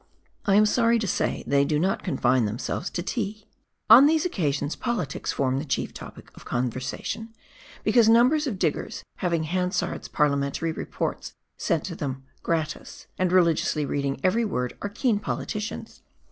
I am sorry to say they do not confine themselves to tea ! On these occasions politics form the chief topic of conversation, because numbers of diggers, having Hansard's Parliamentary Reports sent to them " gratis," and religiously reading every word, are keen politicians.